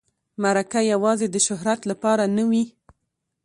مرکه یوازې د شهرت لپاره نه وي.